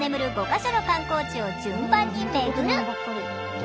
５か所の観光地を順番に巡る！